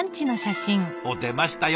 おっ出ましたよ。